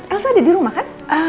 elsa ada di rumah kan